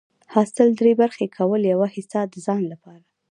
حاصل دری برخي کول، يوه حيصه د ځان لپاره